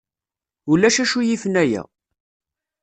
Ulac acu yifen aya.